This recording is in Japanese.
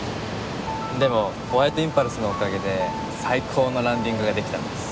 でもホワイトインパルスのおかげで最高のランディングができたんです。